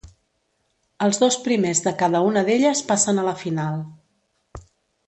Els dos primers de cada una d'elles passen a la final.